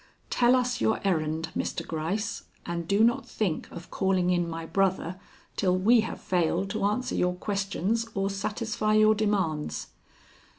Tell us your errand, Mr. Gryce, and do not think of calling in my brother till we have failed to answer your questions or satisfy your demands."